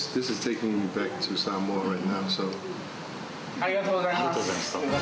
ありがとうございます。